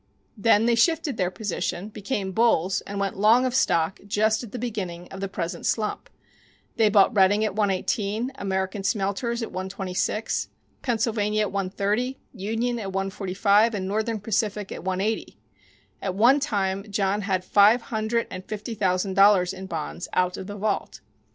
Then they shifted their position, became bulls and went long of stock just at the beginning of the present slump. They bought Reading at 118, American Smelters at 126, Pennsylvania at 130, Union at 145, and Northern Pacific at 180. At one time John had five hundred and fifty thousand dollars in bonds out of the vaults.